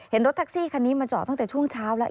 รถแท็กซี่คันนี้มาจอดตั้งแต่ช่วงเช้าแล้ว